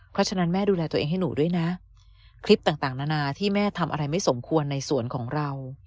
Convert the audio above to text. เพราะฉะนั้นแม่ดูแลตัวเองให้หนูด้วยนะคลิปต่างนานาที่แม่ทำอะไรไม่สมควรในสวนของเรา